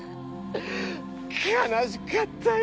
悲しかったよ